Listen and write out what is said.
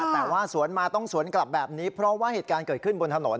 แต่ว่าสวนมาต้องสวนกลับแบบนี้เพราะว่าเหตุการณ์เกิดขึ้นบนถนน